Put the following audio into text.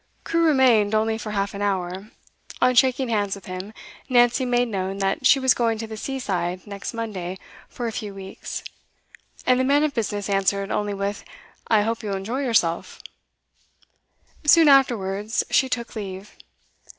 Crewe remained only for half an hour; on shaking hands with him, Nancy made known that she was going to the seaside next Monday for a few weeks, and the man of business answered only with 'I hope you'll enjoy yourself.' Soon afterwards, she took leave.